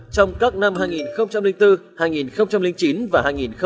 trong các năm hai nghìn bốn hai nghìn chín và hai nghìn một mươi ba